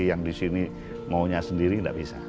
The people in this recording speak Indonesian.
yang di sini maunya sendiri tidak bisa